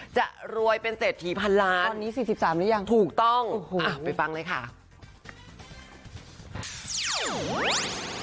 จะรวยเป็นเศษถีพันล้านถูกต้องไปฟังเลยค่ะอ๋อไปฟังเลยค่ะ